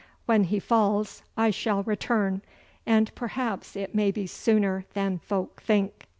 When he falls I shall return, and perhaps it may be sooner than folk think.